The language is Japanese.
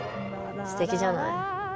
すてきじゃない。